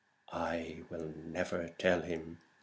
"I will never tell him!"